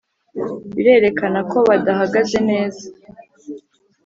Birerekana ko badahagaze neza